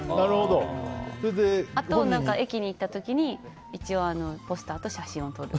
あと、駅に行った時に一応ポスターと写真を撮る。